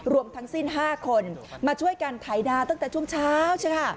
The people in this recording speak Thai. รวมทั้งสิ้น๕คนมาช่วยกันไถนาตั้งแต่ช่วงเช้าใช่ไหม